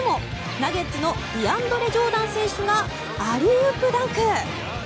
ナゲッツのディアンドレ・ジョーダン選手がアリウープダンク。